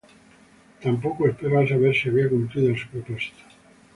Tampoco esperó a saber si había cumplido su propósito.